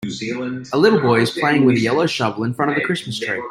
A little boy is playing with a yellow shovel in front of a Christmas tree.